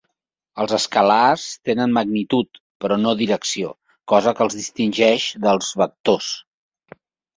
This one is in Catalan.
Els escalars tenen magnitud, però no direcció, cosa que els distingeix dels vectors.